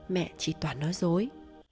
mẹ chỉ toàn nói dối